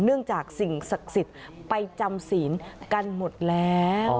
เนื่องจากสิ่งศักดิ์สิทธิ์ไปจำศีลกันหมดแล้ว